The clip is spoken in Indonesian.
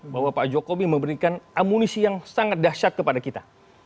bahwa pak jokowi memberikan amunisi yang sangat dahsyat kepada kita